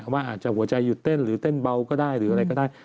ว่าอาจจะหัวใจหยุดเต้นหรือเต้นเบาก็ได้หรืออะไรก็ได้